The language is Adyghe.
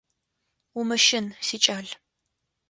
Умыщын, сикӏал…